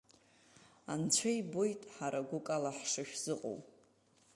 Анцәа ибоит ҳара гәыкала ҳшышәзыҟоу.